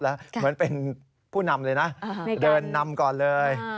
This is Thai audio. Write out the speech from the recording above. เหมือนเป็นผู้นำเลยนะเดินนำก่อนเลย